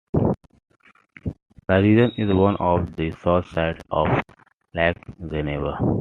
The region is on the south side of Lake Geneva.